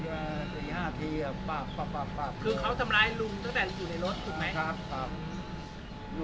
บ้าบบบคือเขาทำร้ายลุงตั้งแต่อยู่ในรถถูกไหมครับครับ